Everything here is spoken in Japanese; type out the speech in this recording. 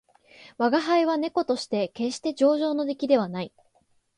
吾輩は猫として決して上乗の出来ではない